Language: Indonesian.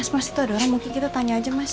mas itu ada orang mungkin kita tanya aja mas